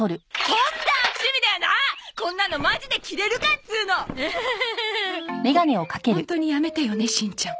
ホホントにやめてよねしんちゃん。